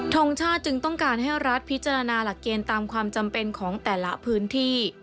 ทรงชาติจึงต้องการให้รัฐพิจารณาหลักเกณฑ์ตามความจำเป็นของแต่ละพื้นที่